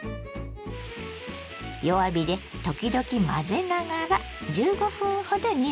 弱火で時々混ぜながら１５分ほど煮ましょ。